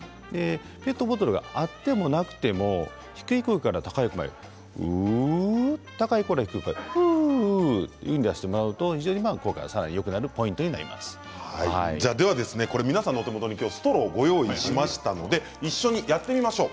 ペットボトルがあってもなくても低い声から高い声、高い声から低い声というふうに出してもらうと効果がさらによくなるポイントに皆さんのお手元にストローを用意しましたので一緒にやってみましょう。